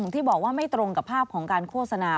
ที่บอกว่าไม่ตรงกับภาพของการโฆษณา